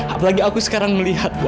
apalagi aku sekarang melihat